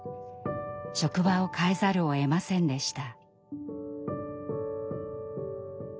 職場を変えざるをえませんでした。